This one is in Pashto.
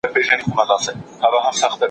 پاملرنه د ماشوم ستونزې کموي.